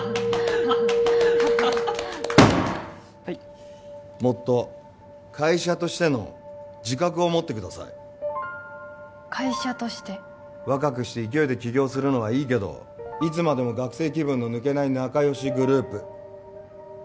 はいもっと会社としての自覚を持ってください会社として若くして勢いで起業するのはいいけどいつまでも学生気分の抜けない仲良しグループ